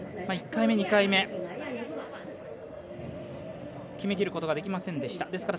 １回目、２回目決めきることができませんでした。